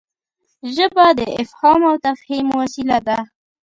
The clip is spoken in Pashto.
ژبه د افهام او تفهيم وسیله ده.